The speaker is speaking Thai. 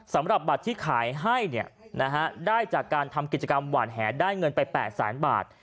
สำหรับบัตรที่ขายให้ได้จากการทำกิจกรรมหวานแหได้เงินไป๘แสนบาท